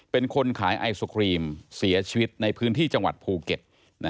เป็นคนขายไอศครีมเสียชีวิตในพื้นที่จังหวัดภูเก็ต